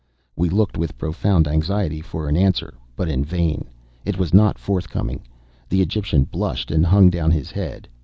We looked, with profound anxiety, for an answer—but in vain. It was not forthcoming. The Egyptian blushed and hung down his head.